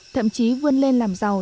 thậm chí vươn lên làm giàu